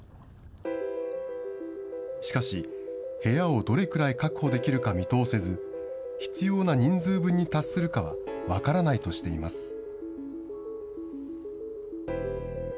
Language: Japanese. しかし、部屋をどれくらい確保できるか見通せず、必要な人数分に達するかは分からないとしています。